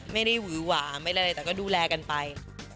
ไม่ได้วิวหวาไม่ได้อะไรแต่ก็ดูแลกันไป